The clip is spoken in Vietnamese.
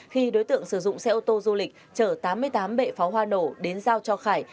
khi đối tượng sử dụng xe ô tô du lịch chở tám mươi tám bệ pháo hoa nổ đến giao cho khải